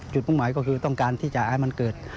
มุ่งหมายก็คือต้องการที่จะให้มันเกิด